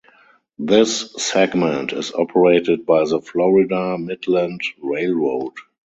This segment is operated by the Florida Midland Railroad.